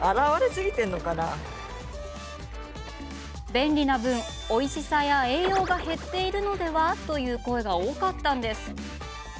便利な分、おいしさや栄養が減っているのでは？という声が多かったんです。